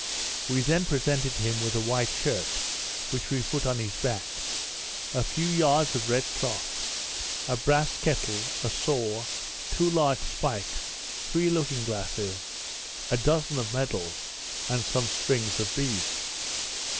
We then presented him with a white shirt, (which we put on his back) a few yards of red cloth, a brass kettle, a saw, two large spikes, three looking glasses, a dozen of medals, and some strings of beads.